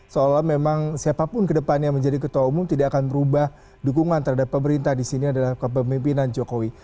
seolah memang siapapun kedepannya menjadi ketua umum tidak akan berubah dukungan terhadap pemerintah di sini adalah kepemimpinan jokowi